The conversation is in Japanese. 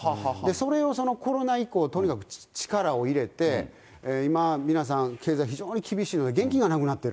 それをそれをコロナ以降、とにかく力を入れて、今、皆さん経済非常に厳しいのに、現金がなくなっている。